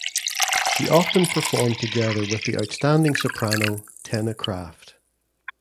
She often performed together with the outstanding soprano Tenna Kraft.